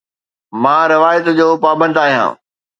مان روايت جو پابند آهيان